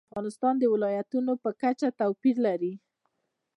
منی د افغانستان د ولایاتو په کچه توپیر لري.